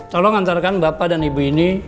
tolong antarkan bapak dan ibu ini